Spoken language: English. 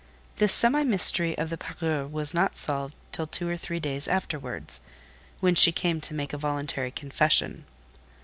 This semi mystery of the parure was not solved till two or three days afterwards, when she came to make a voluntary confession.